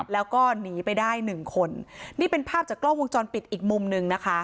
แล้วก็หนีไปได้หนึ่งคนนี่เป็นภาพจากกล้องวงจรปิดอีกมุมหนึ่งนะคะ